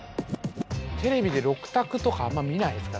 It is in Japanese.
テレビで６択とかあんま見ないですからね。